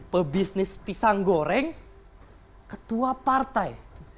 pebisnis pisang goreng ketua partai